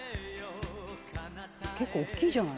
「結構大きいじゃない」